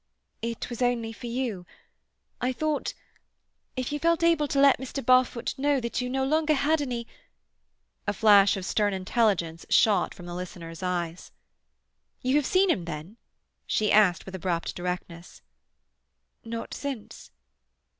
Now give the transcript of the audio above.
"It was only for you. I thought—if you felt able to let Mr. Barfoot know that you had no longer any—" A flash of stern intelligence shot from the listener's eyes. "You have seen him then?" she asked with abrupt directness. "Not since."